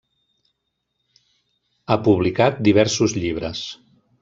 Ha publicat diversos llibres.